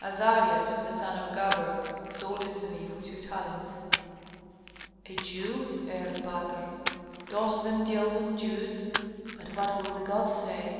"Azarias, the son of Gaber, sold it to me for two talents." "A Jew? Erpatr, dost them deal with Jews? But what will the gods say?"